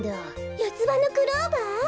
よつばのクローバー？